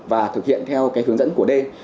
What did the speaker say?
và thực hiện theo hướng dẫn của d